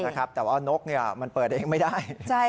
แต่ว่าเอานกมันเปิดเองไม่ได้ใช่ค่ะ